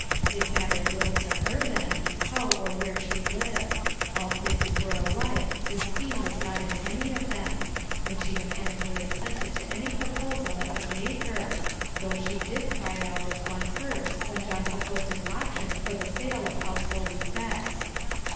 It mattered little to her, then, how or where she lived; all places were alike, since he was not in any of them, and she mechanically assented to any proposal that was made her, though she did cry out as one hurt, when John proposed an auction for the sale of household effects.